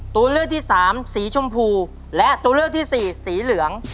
ตัวเลือกที่สามสีชมพูและตัวเลือกที่สี่สีเหลือง